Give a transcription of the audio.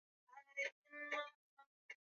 Umezua uhasama, waja kupata mizozo,